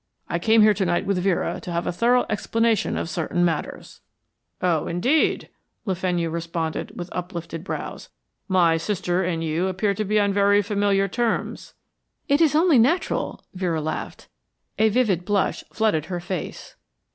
I came here to night with Vera to have a thorough explanation of certain matters." "Oh, indeed," Le Fenu responded with uplifted brows. "My sister and you appear to be on very familiar terms " "It is only natural," Vera laughed. A vivid blush flooded her face.